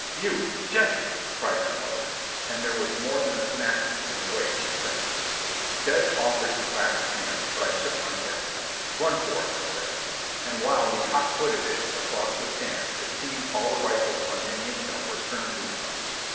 "You!—Jesse!" cried my mother. And there was more than a smacking in the way she said it. Jed offered to clasp hands, but I shook my head. "Run for it," I said. And while we hotfooted it across the sand it seemed all the rifles on Indian hill were turned loose on us.